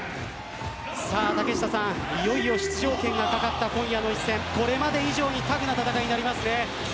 いよいよ出場権がかかった今夜の一戦これまで以上にタフな戦いになります。